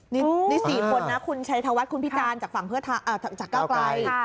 นี่๔คนคุณชายธวัดคุณพี่จานจากก้าวไกล